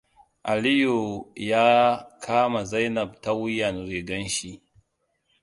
Aliyu ya kama Zainab ta wuyan rigan shi.